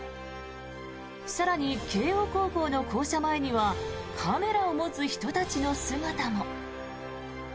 更に、慶応高校の校舎前にはカメラを持つ人たちの姿も。